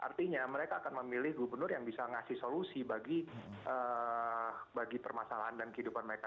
artinya mereka akan memilih gubernur yang bisa ngasih solusi bagi permasalahan dan kehidupan mereka